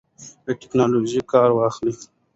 له ټیکنالوژۍ کار واخلئ.